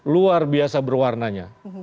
luar biasa berwarnanya